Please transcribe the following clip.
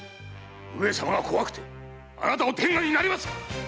上様が怖くてあなたの天下になりますか